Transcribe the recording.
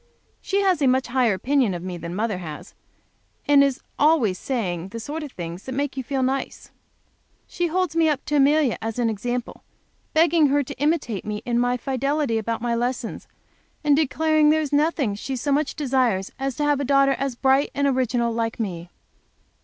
She has a much higher opinion of me than mother has, and is always saying the sort of things that make you feel nice. She holds me up to Amelia as an example, begging her to imitate me in my fidelity about my lessons, and declaring there is nothing she so much desires as to have a daughter bright and original like me.